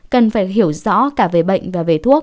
cần phải hiểu rõ cả về bệnh và về thuốc